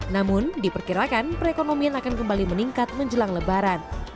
namun diperkirakan perekonomian akan kembali meningkat menjelang lebaran